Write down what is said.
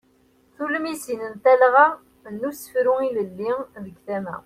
Tulmisin n talɣa n usefru ilelli deg tama.